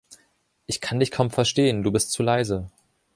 Ich kann dich kaum verstehen, du bist zu leise!